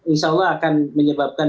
insya allah akan menyebabkan